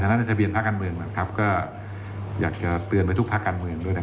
ในทะเบียนภาคการเมืองก็อยากจะเตือนไปทุกภาคการเมือง